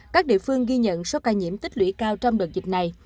các địa phương ghi nhận số ca nhiễm tích lũy cao trong đợt dịch này